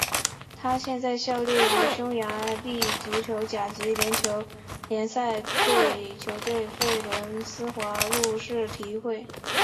他现在效力于匈牙利足球甲级联赛球队费伦斯华路士体育会。